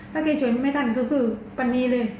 ถ้าแกช่วยไม่ทันก็คือวันนี้เลย